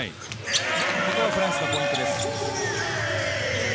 これはフランスのポイントです。